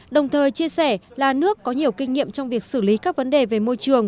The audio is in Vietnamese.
đồng thời chia sẻ là nước có nhiều kinh nghiệm trong việc xử lý các vấn đề về môi trường